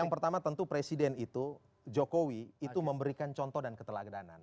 yang pertama tentu presiden itu jokowi itu memberikan contoh dan keteladanan